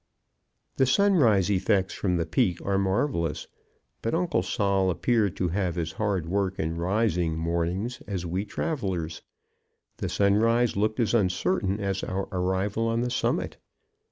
The sunrise effects from the Peak are marvelous, but Uncle Sol appeared to have as hard work in rising mornings as we travelers. The sunrise looked as uncertain as our arrival on the summit.